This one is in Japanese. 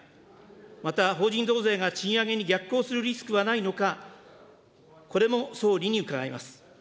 また、法人増税が賃上げに逆行するリスクはないのか、これも総理に伺います。